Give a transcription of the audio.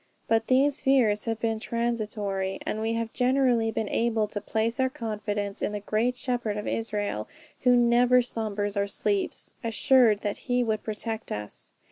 But these fears have been transitory, and we have generally been enabled to place our confidence in the Great Shepherd of Israel who never slumbers or sleeps, assured that he would protect us....